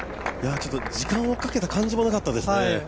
時間をかけた感じもなかったですよね。